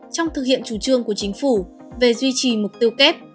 trong thực hiện chủ trương của chính phủ về duy trì mục tiêu kép